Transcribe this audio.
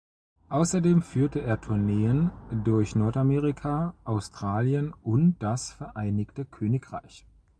Außerdem führte er Tourneen durch Nordamerika, Australien und das Vereinigte Königreich.